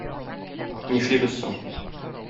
Нишлибез соң?